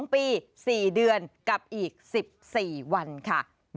๒ปี๔เดือนกับอีก๑๔วันค่ะ